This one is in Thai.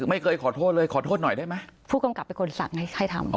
ไม่เคยขอโทษเลยขอโทษหน่อยได้ไหมผู้กำกับเป็นคนสั่งให้ทำ